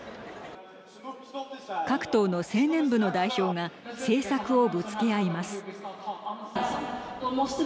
各党の青年部の代表が政策をぶつけ合います。